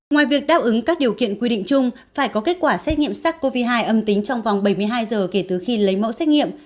ngoài việc đáp ứng các điều kiện quy định chung phải có kết quả xét nghiệm sars cov hai âm tính trong vòng bảy mươi hai giờ kể từ khi lấy mẫu xét nghiệm